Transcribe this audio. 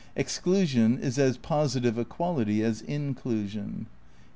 . exclusion is as positive a quality as inclusion."